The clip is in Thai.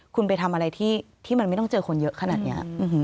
คุณไปทำอะไรที่มันไม่ต้องเจอคนเยอะขนาดนี้